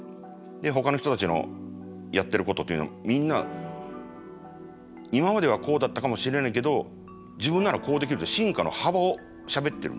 ほかの人たちのやってることっていうのはみんな今まではこうだったかもしれないけど自分ならこうできるって進化の幅をしゃべってるんですね。